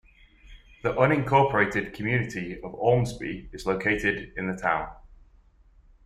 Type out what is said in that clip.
The unincorporated community of Ormsby is located in the town.